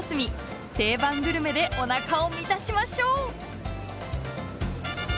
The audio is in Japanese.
定番グルメでおなかを満たしましょう！